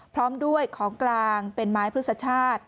พร้อมด้วยของกลางเป็นไม้พฤษชาติ